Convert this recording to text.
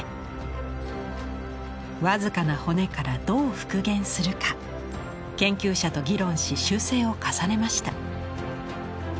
僅かな骨からどう復元するか研究者と議論し修正を重ねました。